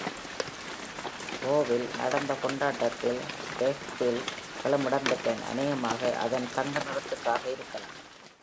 ட்ருரோவில் நடந்த கொண்டாட்டத்தில் Daffodil-களும் இடம் பெற்றன, அநேகமாக அதன் `தங்க’ நிறத்துக்காக இருக்கலாம்.